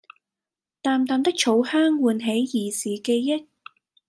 淡淡的草香喚起兒時記憶